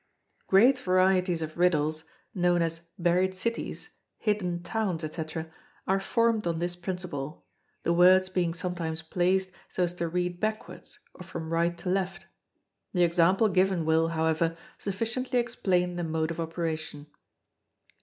Great varieties of riddles, known as Buried Cities, Hidden Towns, &c., are formed on this principle, the words being sometimes placed so as to read backwards, or from right to left. The example given will, however, sufficiently explain the mode of operation.